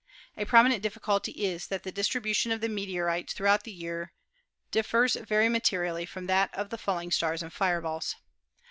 A prominent difficulty is that the distribution of the meteorites throughout the year differs very materially from that of the falling stars and fireballs.